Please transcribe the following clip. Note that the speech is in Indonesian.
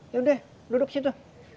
yaudah duduk situ